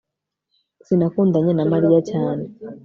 sinakundanye na mariya cyane